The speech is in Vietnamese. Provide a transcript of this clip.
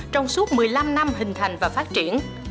trong suốt một mươi năm năm hình thành và phát triển